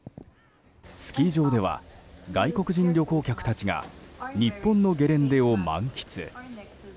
スキー場では外国人旅行客たちが日本のゲレンデを満喫。